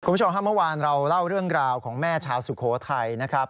คุณผู้ชมฮะเมื่อวานเราเล่าเรื่องราวของแม่ชาวสุโขทัยนะครับ